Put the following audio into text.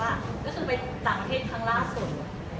แล้วว่าอยากจะไปตรังเทศครั้งล่าสุด